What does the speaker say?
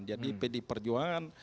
jadi pdi perjuangan